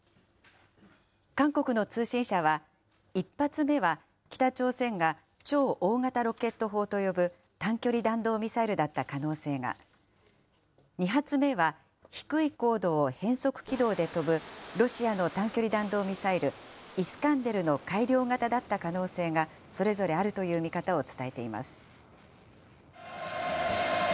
韓国の通信社は、１発目は北朝鮮が超大型ロケット砲と呼ぶ短距離弾道ミサイルだった可能性が、２発目は低い高度を変則軌道で飛ぶロシアの短距離弾道ミサイル、イスカンデルの改良型だった可能性が、それぞれあるという見方を伝えています。